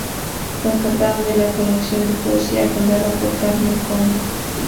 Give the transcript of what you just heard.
Fue encargada de la colección de poesía fundada por Carmen Conde.